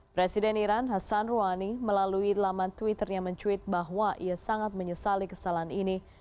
presiden iran hasan rohani melalui laman twitternya mencuit bahwa ia sangat menyesali kesalahan ini